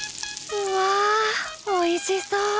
うわおいしそう。